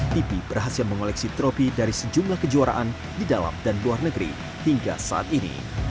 tipi berhasil mengoleksi tropi dari sejumlah kejuaraan di dalam dan luar negeri hingga saat ini